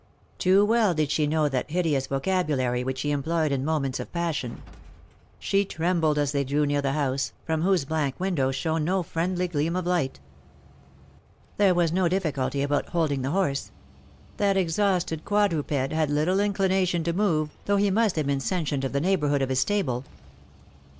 Too well did she know that hideous vocabulary which he employed in moments of passion. She trembled as they drew near the house, from whose blank windows shone no friendly gleam of light. There was no difficulty about holding the horse. That exhausted quadruped had little inclination to move, though he must have been sentient of the neighbourhood of his stable.